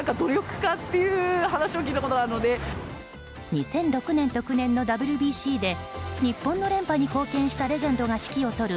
２００６年と９年のＷＢＣで日本の連覇に貢献したレジェンドが指揮を執る